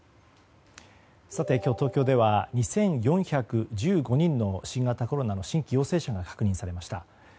今日、東京では２４１５人の新型コロナウイルスの新規陽性者が確認されました。